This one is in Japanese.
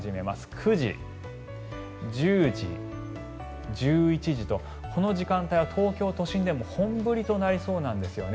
９時、１０時、１１時とこの時間帯は東京都心でも本降りとなりそうなんですよね。